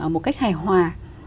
một cách hài hòa